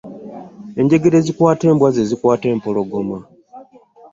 Enjegere ezikwata embwa, zezikwata empologoma?